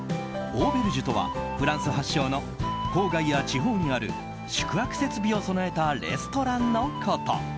オーベルジュとはフランス発祥の郊外や地方にある宿泊設備を備えたレストランのこと。